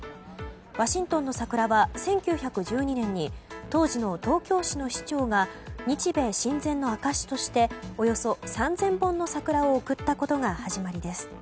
ワシントンの桜は１９１２年に当時の東京市の市長が日米親善の証しとしておよそ３０００本の桜を贈ったことが始まりです。